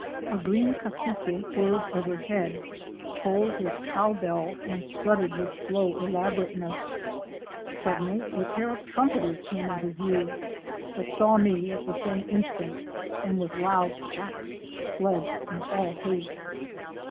A Green Cassique ° whirred overhead, tolled his cow bell and strutted with slow elaborateness. Suddenly a pair of Trumpeters * came into view, but saw me at the same in stant, and with loud chacks! fled in all haste.